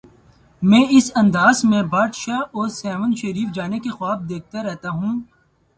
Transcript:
میں اس انداز میں بھٹ شاہ اور سہون شریف جانے کے خواب دیکھتا رہتا ہوں۔